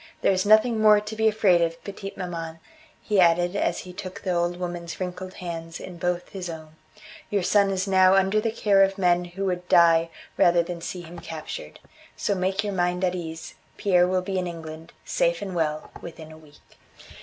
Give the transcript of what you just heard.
There's nothing more to be afraid of, petite maman," he added as he took the old woman's wrinkled hands in both his own; "your son is now under the care of men who would die rather than see him captured. So make your mind at ease, Pierre will be in England, safe and well, within a week."